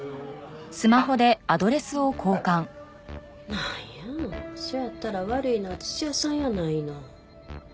なんやそやったら悪いのは土屋さんやないの。